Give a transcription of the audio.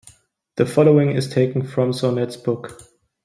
The following is taken from Sornette's book.